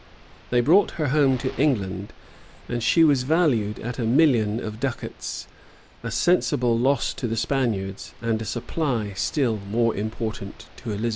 [*] They brought her home to England, and she was valued at a million of ducats:[] a sensible loss to the Spaniards, and a supply still more important to Elizabeth.